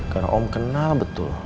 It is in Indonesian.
karena om kenal betul